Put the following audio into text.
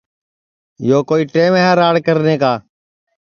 یو کوئی ٹیم ہے راڑ کرنے کا